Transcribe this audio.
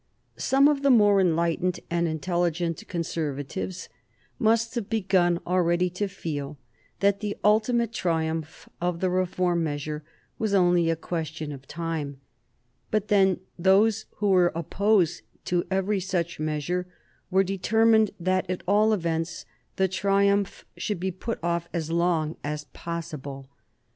Some of the more enlightened and intelligent Conservatives must have begun already to feel that the ultimate triumph of the reform measure was only a question of time; but then those who were opposed to every such reform were determined that, at all events, the triumph should be put off as long as possible.